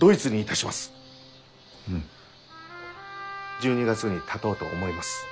１２月にたとうと思います。